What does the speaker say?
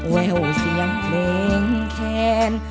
แววเสียงเพลงแค้น